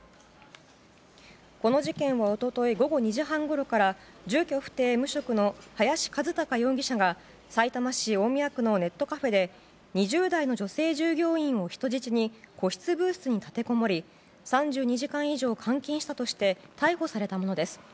この事件は一昨日午後２時半ごろから住居不定無職の林一貴容疑者がさいたま市大宮区のネットカフェで２０代の女性従業員を人質に個室ブースに立てこもり３２時間以上監禁したとして逮捕されたものです。